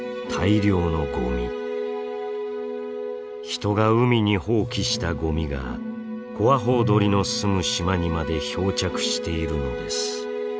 人が海に放棄したゴミがコアホウドリの住む島にまで漂着しているのです。